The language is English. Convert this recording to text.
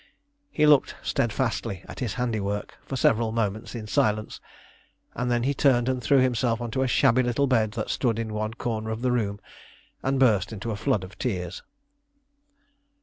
He looked steadfastly at his handiwork for several moments in silence, and then he turned and threw himself on to a shabby little bed that stood in one corner of the room and burst into a flood of tears.